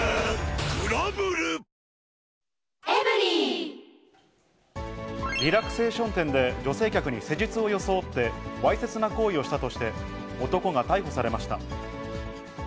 サントリーリラクゼーション店で女性客に施術を装って、わいせつな行為をしたとして、男が逮捕されました。